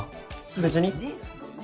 別に。